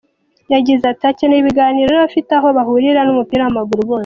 Yagize ati “Hakenewe ibiganiro n’abafite aho bahurira n’umupira w’amaguru bose.